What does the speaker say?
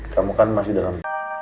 kamu kan masih dalam